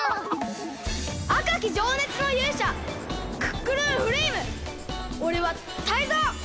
あかきじょうねつのゆうしゃクックルンフレイムおれはタイゾウ！